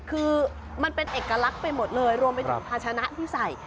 คือมันเป็นเอกลักษณ์ไปหมดเลยรวมไปถึงภาชนะที่ใส่